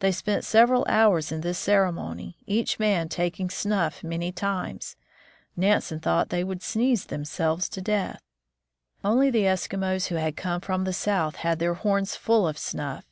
They spent several hours in this cere mony, each man taking snuff many times. Nansen thought they would sneeze themselves to death. Only the Eskimos who had come from the south had their horns full of snuff.